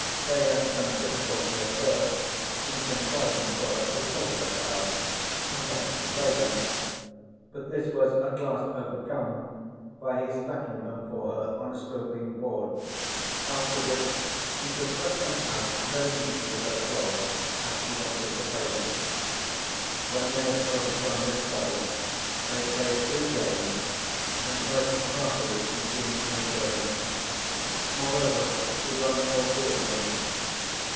They had some difficulty at first in contriving for her to hold her cards and then to play them, but this was at last overcome by his stacking them for her on a sloping board, after which she could flip them out very neatly with her claws as she wanted to play them. When they had overcome this trouble they played three games, and most heartily she seemed to enjoy them. Moreover she won all three of them.